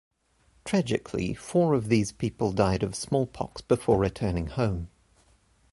Tragically, four of these people died of smallpox before returning home.